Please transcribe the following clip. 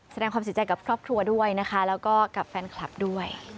แสดงความเสียใจกับครอบครัวด้วยนะคะแล้วก็กับแฟนคลับด้วย